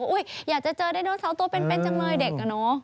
อุ๊ยอยากจะเจอไดโนเสาตัวเป็นจังเลยเด็ก